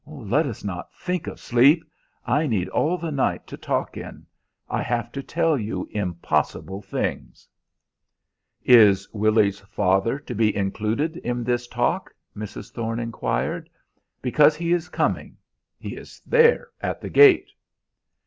"Let us not think of sleep! I need all the night to talk in. I have to tell you impossible things." "Is Willy's father to be included in this talk?" Mrs. Thorne inquired; "because he is coming he is there, at the gate."